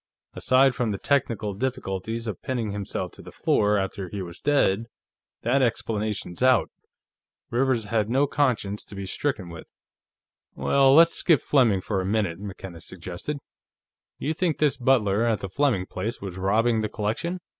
Aside from the technical difficulties of pinning himself to the floor after he was dead, that explanation's out. Rivers had no conscience to be stricken with." "Well, let's skip Fleming, for a minute," McKenna suggested. "You think this butler, at the Fleming place, was robbing the collection.